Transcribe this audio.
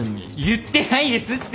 言ってないですって！